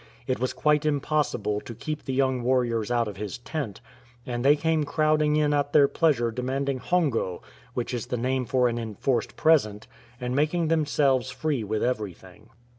It was quite impossible to keep the young warriors out of his tent, and they came crowding in at their pleasure demanding hongo, which is the name for an enforced pre sent, and making themselves free with everything.